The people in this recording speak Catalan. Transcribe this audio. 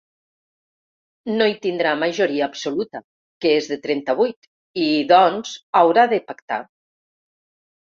No hi tindrà majoria absoluta, que és de trenta-vuit, i, doncs, haurà de pactar.